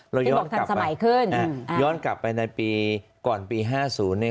เราย้อนกลับไปอ่ะย้อนกลับไปในปีก่อนปี๕๐เนี่ย